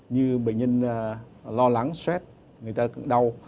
như bệnh nhân lo lắng stress người ta đau